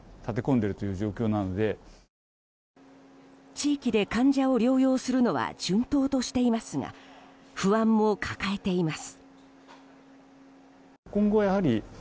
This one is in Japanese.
地域で患者を療養するのは順当としていますが不安も抱えています。